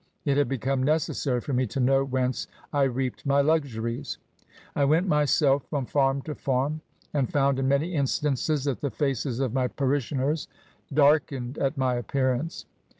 It had become necessary for me to know whence I reaped my luxuries. I went myself from farm to farm, and found in many instances that the faces of my parish ioners darkened at my appearance.